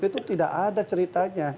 itu tidak ada ceritanya